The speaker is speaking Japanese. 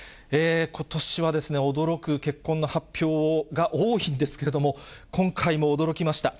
ことしは、驚く結婚の発表が多いんですけれども、今回も驚きました。